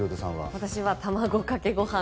私は卵かけご飯